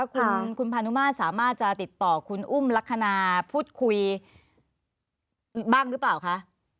คุณพานุมาสสามารถจะติดต่อคุณอุ้มลักษณะพูดคุยบ้างหรือเปล่าคะ